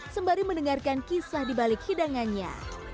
sembari mendengarkan kisah di balik hidangannya